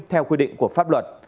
theo quy định của pháp luật